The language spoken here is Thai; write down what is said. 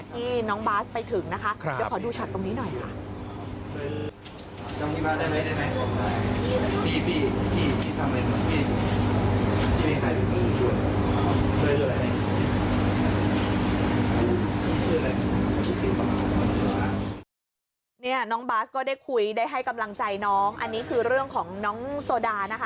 นี่น้องบาสก็ได้คุยได้ให้กำลังใจน้องอันนี้คือเรื่องของน้องโซดานะคะ